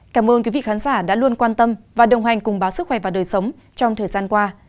cảm ơn quý vị khán giả đã luôn quan tâm và đồng hành cùng báo sức khỏe và đời sống trong thời gian qua